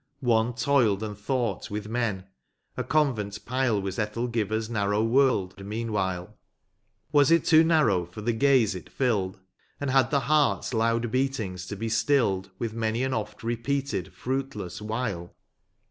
One toiled and thought with men ; a convent pile Was Ethelgiva s narrow world meanwhile ; Was it too narrow for the gaze it filled. And had the heart's loud beatings to be stilled With many an oft repeated fruitless wile